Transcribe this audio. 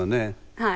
はい。